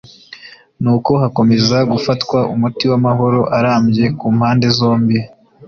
n’uko hakomeza gufatwa umuti w’amahoro arambye ku mpande zombi